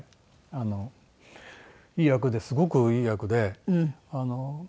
あのいい役ですごくいい役で。